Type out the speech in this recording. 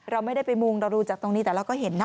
เราไม่ได้ไปมุงเราดูจากตรงนี้แต่เราก็เห็นนะ